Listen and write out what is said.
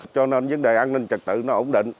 cho nên vấn đề an ninh trật tự nó ổn định